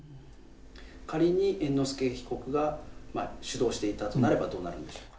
仮に猿之助被告が主導していたとなればどうなりますか？